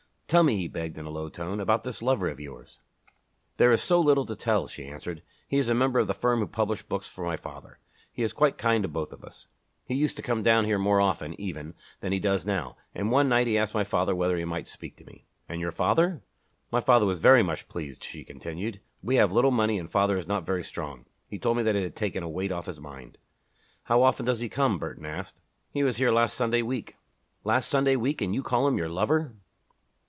"Tell me," he begged in a low tone, "about this lover of yours!" "There is so little to tell," she answered. "He is a member of the firm who publish books for my father. He is quite kind to us both. He used to come down here more often, even, than he does now, and one night he asked my father whether he might speak to me." "And your father?" "My father was very much pleased," she continued. "We have little money and father is not very strong. He told me that it had taken a weight off his mind." "How often does he come?" Burton asked. "He was here last Sunday week." "Last Sunday week! And you call him your lover!"